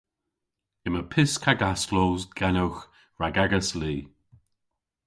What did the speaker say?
Yma pysk hag asklos genowgh rag agas li.